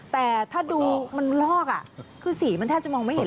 แต่ถ้าดูมันลอกคือสีมันแทบจะมองไม่เห็น